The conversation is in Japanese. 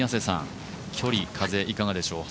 距離、風はいかがでしょう？